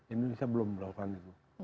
indonesia belum melakukan itu